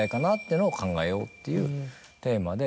いうのを考えようっていうテーマで。